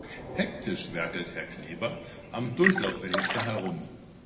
Hektisch werkelt Herr Kleber am Durchlauferhitzer herum.